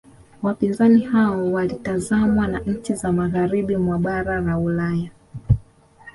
Wapinzani hao walitazamwa na nchi za magharibi mwa bara la Ulaya